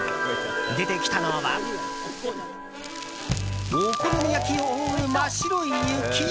出てきたのはお好み焼きを覆う真っ白い雪？